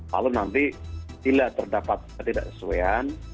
lalu nanti bila terdapat ketidaksesuaian